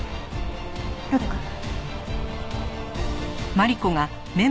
呂太くん。